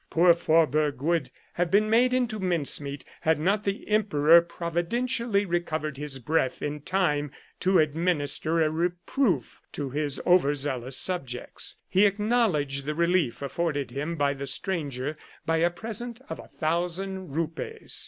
Poor Vorburg would have been made into mincemeat, had not the emperor providentially recovered his breath in time to administer a reproof to his over zealous subjects. He acknowledged the relief afforded him by the stranger by a present of a thousand rupees.